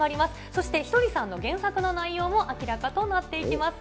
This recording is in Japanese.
そしてひとりさんの原作の内容も明らかとなっていきます。